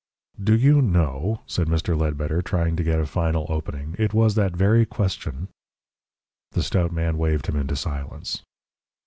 "Do you know," said Mr. Ledbetter, trying to get a final opening, "it was that very question " The stout man waved him into silence.